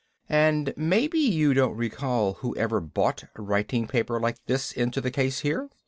"And maybe you don't recall who ever bought writing paper like this into the case here?"